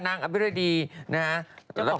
สนับสนุนโดยดีที่สุดคือการให้ไม่สิ้นสุด